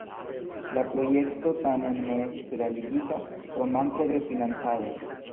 La projekto tamen ne estis realigita pro manko de financado.